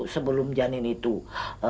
sebelum janin itu hidup